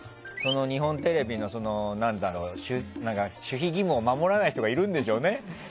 日本テレビの守秘義務を守らない人がいるんでしょうね。